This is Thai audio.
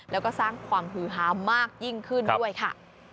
แล้วก็สร้างความฮือฮามากยิ่งขึ้นด้วยค่ะ